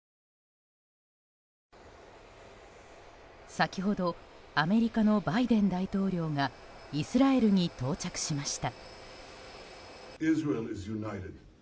先ほどアメリカのバイデン大統領がイスラエルに到着しました。